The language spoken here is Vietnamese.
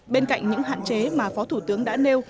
bên cạnh những hạn chế mà phó thủ tướng đã nêu